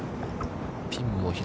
ピンも左。